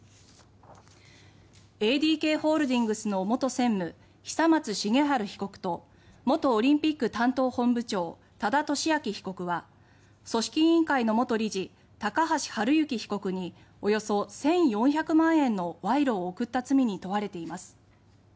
ＡＤＫホールディングスの元専務久松茂治被告と元オリンピック担当本部長多田俊明被告は組織委員会の元理事高橋治之被告におよそ１４００万円の賄賂を贈った罪に問われています。